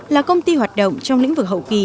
là công ty hoạt động trong lĩnh vực hậu kỳ